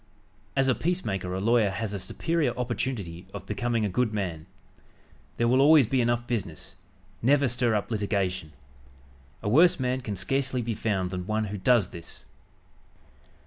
As a peacemaker a lawyer has a superior opportunity of becoming a good man. There will always be enough business. Never stir up litigation. A worse man can scarcely be found than one who does this.